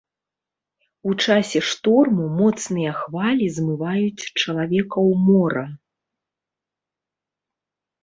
У часе шторму моцныя хвалі змываюць чалавека ў мора.